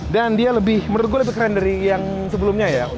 dan dia lebih menurut gue lebih keren dari yang sebelumnya ya